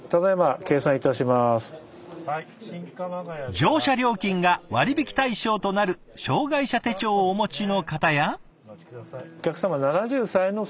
乗車料金が割引対象となる障害者手帳をお持ちの方や。